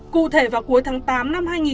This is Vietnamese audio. cụ thể vào cuối tháng tám năm hai nghìn hai mươi